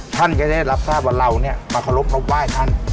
ท่านก็ได้รับทราบว่าเราเนี่ยมาเคารพนบไหว้ท่าน